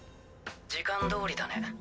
時間どおりだね。